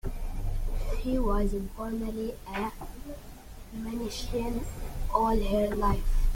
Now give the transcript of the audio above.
She was informally a Manichaean all her life.